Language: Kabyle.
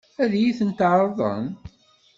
Ad iyi-ten-ɛeṛḍen?